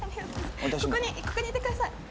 ここにここにいてください。